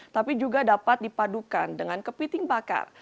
tapi juga dapat dipadukan dengan kepiting bakar